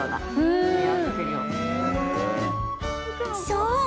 そう！